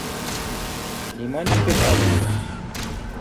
نېمانچە كۆپ ئادەم بۇ.